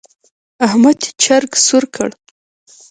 احمد چرګ سور کړ.